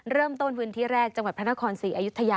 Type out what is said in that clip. เริ่มต้นพื้นที่แรกจังหวัดพระนครศรีอยุธยา